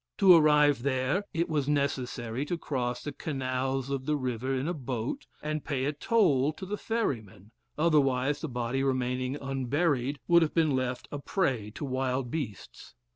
To arrive there it was necessary to cross the canals of the river in a boat, and to pay a toll to the ferryman, otherwise the body remaining unburied, would have been left a prey to wild beasts.